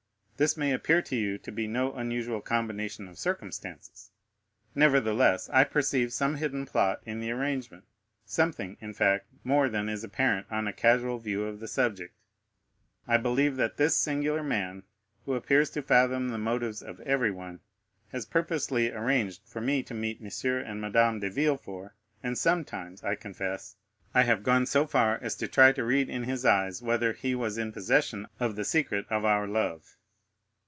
This may appear to you to be no unusual combination of circumstances; nevertheless, I perceive some hidden plot in the arrangement—something, in fact, more than is apparent on a casual view of the subject. I believe that this singular man, who appears to fathom the motives of everyone, has purposely arranged for me to meet M. and Madame de Villefort, and sometimes, I confess, I have gone so far as to try to read in his eyes whether he was in possession of the secret of our love."